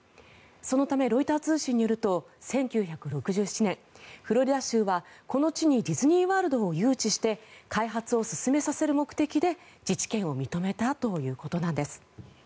そのため、ロイター通信によると１９６７年フロリダ州はこの地にディズニー・ワールドを誘致して開発を進めさせる目的で自治権を認めたということなんです。